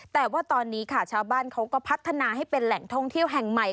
แต่ว่าตอนนี้ค่ะชาวบ้านเขาก็พัฒนาให้เป็นแหล่งท่องเที่ยวแห่งใหม่